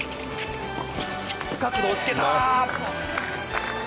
角度をつけた。